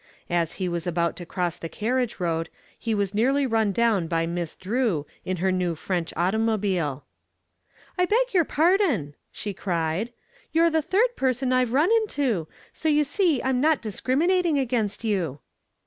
As he was about to cross the carriage road he was nearly run down by Miss Drew in her new French automobile. "I beg your pardon," she cried. "You're the third person I've run into, so you see I'm not discriminating against you."